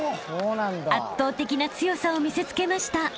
［圧倒的な強さを見せつけました］